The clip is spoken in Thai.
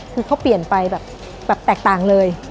คือเขาเปลี่ยนไปแบบแตกต่างเลย